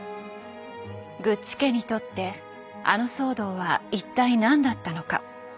グッチ家にとってあの騒動は一体何だったのか。